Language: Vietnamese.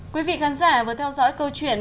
quý vị khán giả vừa theo dõi câu chuyện